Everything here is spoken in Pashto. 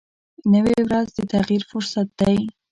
نوې ورځ د تغیر فرصت دی